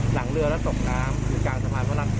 หลังเรือแล้วตกน้ำคือกลางสะพานพระราม๔